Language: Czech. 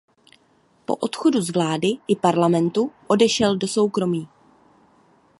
Po odchodu z vlády i parlamentu odešel do soukromí.